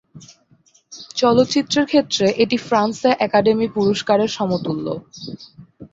চলচ্চিত্রের ক্ষেত্রে, এটি ফ্রান্সে একাডেমি পুরস্কারের সমতুল্য।